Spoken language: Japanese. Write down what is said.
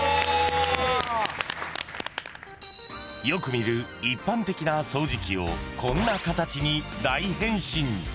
［よく見る一般的な掃除機をこんな形に大変身］